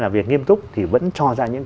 là việc nghiêm túc thì vẫn cho ra những